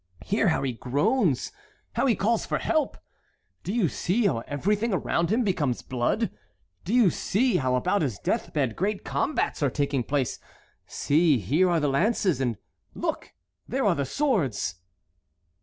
Hear how he groans, how he calls for help! Do you see how everything around him becomes blood? Do you see how about his death bed great combats are taking place? See, here are the lances; and look, there are the swords!"